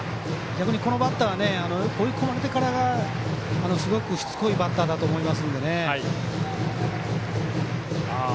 逆に、このバッター追い込まれてからがすごくしつこいバッターだと思いますんでね。